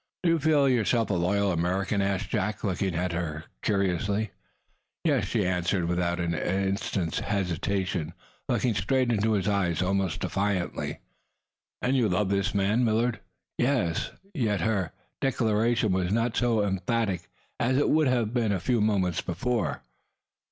"Do you feel yourself a loyal American?" asked Jack, looking at her curiously. "Yes!" she answered, without an instant's hesitation, looking straight into his eyes, almost defiantly. "And you love this man, Millard?" "Yes!" Yet her declaration was not so emphatic as it would have been a few moments before.